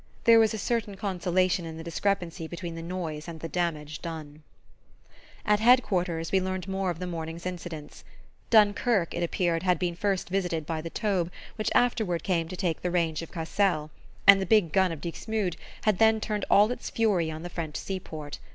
There was a certain consolation in the discrepancy between the noise and the damage done. At Head quarters we learned more of the morning's incidents. Dunkerque, it appeared, had first been visited by the Taube which afterward came to take the range of Cassel; and the big gun of Dixmude had then turned all its fury on the French sea port.